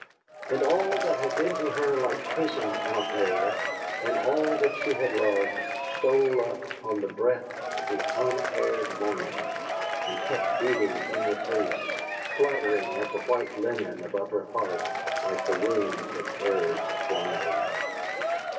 And all that had been to her like prison out there, and all that she had loved, stole up on the breath of the unaired morning, and kept beating in her face, fluttering at the white linen above her heart like the wings of birds flying.